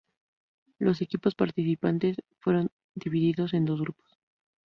Los equipos participantes fueron divididos en dos grupos.